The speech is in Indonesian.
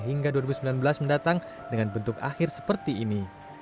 hingga dua ribu sembilan belas mendatang dengan bentuk akhir seperti ini